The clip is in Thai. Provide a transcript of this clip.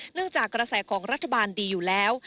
จากกระแสของรัฐบาลดีอยู่แล้ว